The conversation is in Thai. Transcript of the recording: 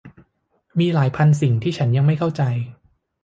มีหลายพันสิ่งที่ฉันยังไม่เข้าใจ